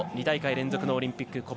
２大会連続のオリンピック